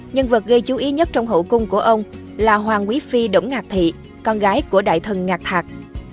nhân vật gây chú ý nhất trong hậu cung của ông là hoàng quý phi đỗng ngạc thị con gái của đại thần ngạc thạc